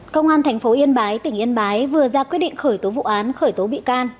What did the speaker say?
công an tp yên bái tỉnh yên bái vừa ra quyết định khởi tố vụ án khởi tố bị can